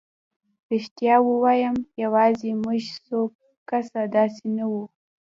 رښتیا ووایم یوازې موږ څو کسه داسې نه وو.